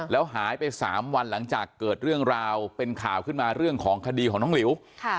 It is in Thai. แล้วหายไป๓วันหลังจากเกิดเรื่องราวเป็นข่าวขึ้นมาเรื่องของคดีของน้องหลิว